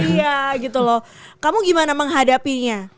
iya gitu loh kamu gimana menghadapinya